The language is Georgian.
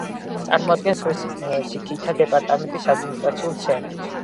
წარმოადგენს ზღვისიქითა დეპარტამენტის ადმინისტრაციულ ცენტრს.